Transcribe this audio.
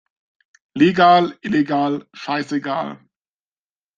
Legal, illegal, scheißegal!